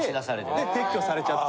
で撤去されちゃった。